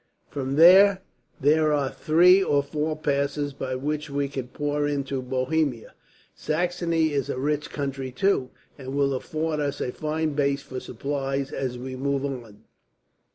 From there there are three or four passes by which we could pour into Bohemia. Saxony is a rich country, too, and will afford us a fine base for supplies, as we move on.